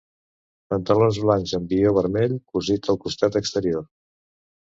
Pantalons blancs amb vió vermell cosit al costat exterior.